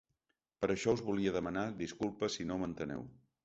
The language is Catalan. Per això us volia demanar disculpes si no m’enteneu.